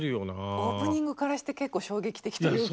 オープニングからして結構衝撃的というか。